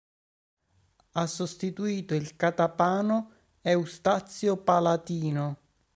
Ha sostituito il catapano Eustazio Palatino.